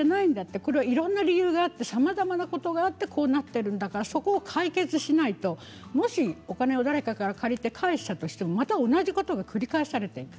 これはいろんな理由があってさまざまなことがあってこうなっているんだからそこを解決しないともし、お金を誰かから借りて返したとしても、また同じことが繰り返されていく。